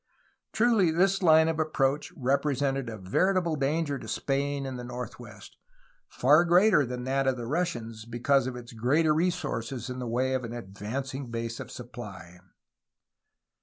Truly this line of approach represented a veritable danger to Spain in the northwest — far greater than that of the Russians, because of its greater resources in the way of an advancing base of supply.